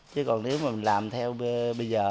chứ còn nếu mà làm theo bây giờ